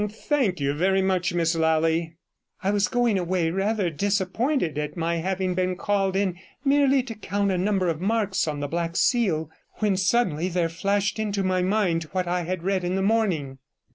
Thank you very much, Miss Lally.' I was going away, rather disappointed at my having been called in merely to count a number of marks on the black seal, when suddenly there flashed into my mind what I had read in the morning.